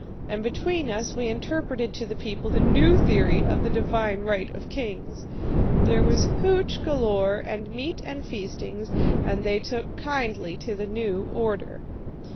And between us we interpreted to the people the new theory of the divine right of kings. There was hooch galore, and meat and feastings, and they took kindly to the new order.